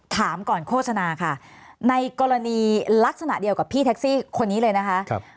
ถามก่อนโฆษณาค่ะในกรณีลักษณะเดียวกับพี่แท็กซี่คนนี้เลยนะคะ